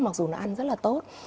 mặc dù nó ăn rất là tốt